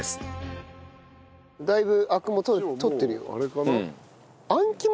だいぶアクも取ってるよ。